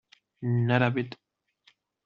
Not a bit.